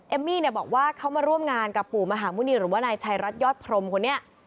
มี่เนี่ยบอกว่าเขามาร่วมงานกับปู่มหาหมุณีหรือว่านายชายรัฐยอดพรมคนนี้